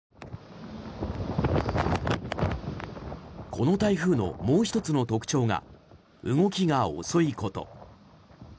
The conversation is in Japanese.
この台風のもう１つの特徴が動きが遅いこと。